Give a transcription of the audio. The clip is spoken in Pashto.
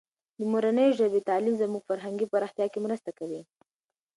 د مورنۍ ژبې تعلیم زموږ فرهنګي پراختیا کې مرسته کوي.